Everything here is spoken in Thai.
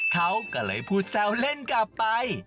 เขาก็เลยพูดแซวเล่นกลับไป